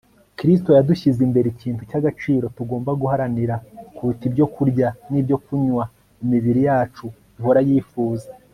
kristo yadushyize imbere ikintu cy'agaciro tugomba guharanira kuruta ibyo kurya n'ibyokunywa imibiri yacu ihora yifuza